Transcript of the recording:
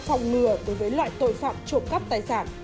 phòng ngừa đối với loại tội phạm trộm cắp tài sản